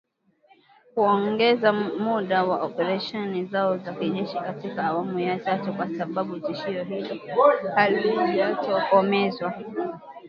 Kuongeza muda wa operesheni zao za kijeshi katika awamu ya tatu, kwa sababu tishio hilo halijatokomezwa.